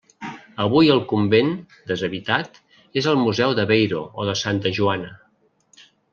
Avui el convent, deshabitat, és el Museu d'Aveiro o de Santa Joana.